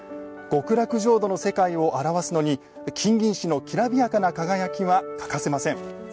極楽浄土の世界を表すのに金銀糸のきらびやかな輝きは欠かせません。